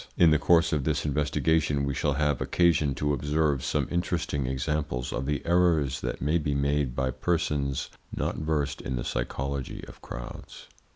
In the course of this investigation we shall have occasion to observe some interesting examples of the errors that may be made by persons not versed in the psychology of crowds.